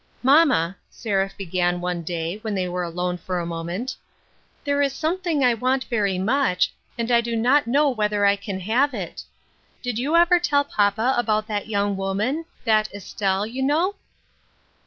" Mamma," Seraph began one day when they were alone for a moment, " there is something I want very much, and I do not know whether I can have it. Did you ever tell papa about that young woman — that Estelle, you know